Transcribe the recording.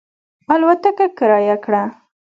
الوتکه کرایه کړه.